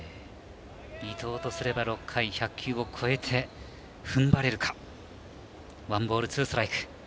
伊藤とすれば１００球を超えてふんばれるかワンボールツーストライク。